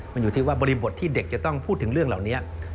มันอยู่ที่ว่าบริบทที่เด็กจะต้องพูดถึงเรื่องเหล่านี้